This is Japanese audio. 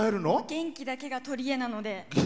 元気だけがとりえなので。